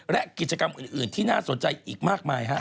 และกิจกรรมอื่นที่น่าสนใจอีกมากมายฮะ